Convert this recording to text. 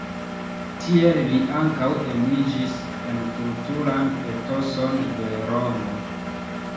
Tiel li ankaŭ eniĝis en kulturan etoson de Romo.